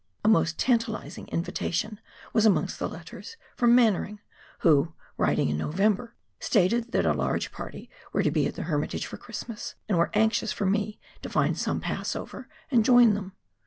A most tantalising invitation was amongst the letters, from Mannering, who, writing in November, stated that a large party were to be at the Hermitage for Christmas, and were anxious for me to find some pass over and join them.